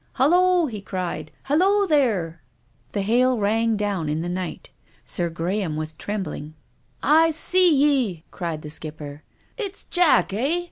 " Hulloh !" he cried. " Hulloh, there !" The hail rang down in the night. Sir Graham was trembling. " I see ye," cried the Skipper. " It's Jack, eh